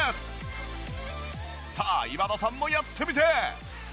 さあ今田さんもやってみて！